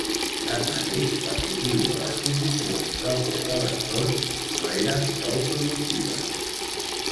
Tanmateix, per motiu de les condicions pròpies de l'entorn, no eren prou productives.